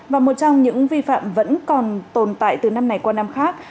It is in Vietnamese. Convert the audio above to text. và một trong những vi phạm vẫn còn tồn tại từ năm này qua năm khác